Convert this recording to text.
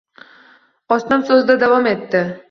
Oshnam so`zida davom etdi